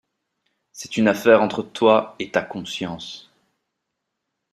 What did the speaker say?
C’est une affaire entre toi et ta conscience !